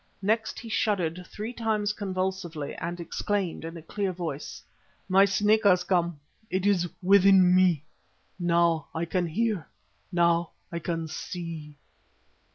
Next he shuddered three times convulsively and exclaimed in a clear voice: "My Snake has come. It is within me. Now I can hear, now I can see."